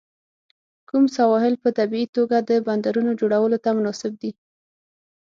کوم سواحل په طبیعي توګه د بندرونو جوړولو ته مناسب دي؟